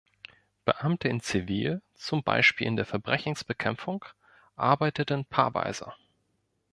Beamte in Zivil, zum Beispiel in der Verbrechensbekämpfung, arbeiteten paarweise.